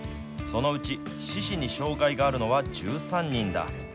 そのうち四肢に障害があるのは１３人だ。